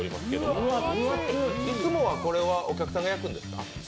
いつもはこれはお客さんが焼くんですか？